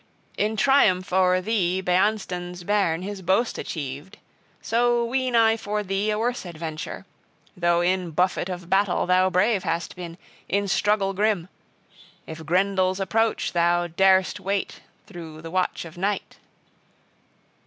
In triumph o'er thee Beanstan's bairn {8b} his boast achieved. So ween I for thee a worse adventure though in buffet of battle thou brave hast been, in struggle grim, if Grendel's approach thou darst await through the watch of night!"